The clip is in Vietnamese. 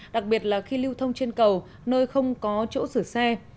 đặc biệt là khi lưu thông trên cầu nơi không có chỗ sửa xe